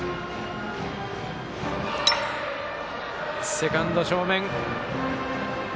セカンド正面。